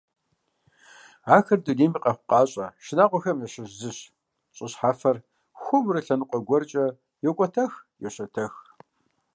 Ахэр дунейм и къэхъукъащӏэ шынагъуэхэм ящыщ зыщ, щӏы щхьэфэр хуэмурэ лъэныкъуэ гуэркӏэ йокӏуэтэх, йощэтэх.